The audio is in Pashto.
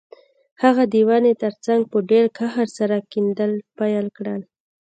هغه د ونې ترڅنګ په ډیر قهر سره کیندل پیل کړل